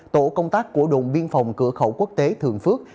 tổ công tác của đồn biên phòng cửa khẩu quốc tế thường phước